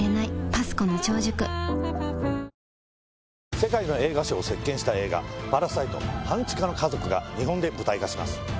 世界の映画賞を席巻した映画『パラサイト半地下の家族』が日本で舞台化します。